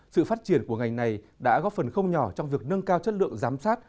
sự phát triển của ngành này đã góp phần không nhỏ trong việc nâng cao chất lượng giám sát